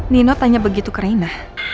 nino tanya begitu ke renah